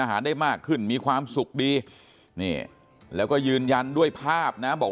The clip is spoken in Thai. ได้มากขึ้นมีความสุขดีนี่แล้วก็ยืนยันด้วยภาพนะบอก